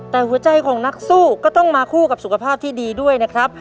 แต่หัวใจของนักสู้ก็ต้องมาคู่กับสุขภาพที่ดีด้วยนะครับ